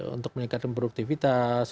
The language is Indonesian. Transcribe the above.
untuk meningkatkan produktivitas